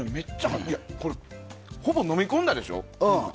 ほぼ飲み込んだでしょ？